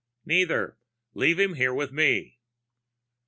"Neither. Leave him here with me."